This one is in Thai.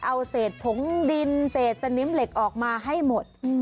เอาเศษผงดินเศษสนิมเหล็กออกมาให้หมด